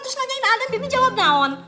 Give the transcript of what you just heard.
terus nanyain ada bibi jawab down